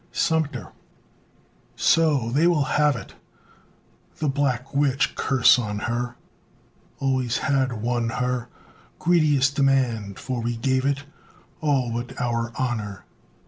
SUMTER So, they will have it! The Black Witch (curse on her) Always had won her Greediest demand for we gave it All but our honor!